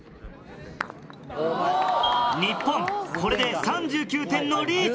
日本これで３９点のリーチ。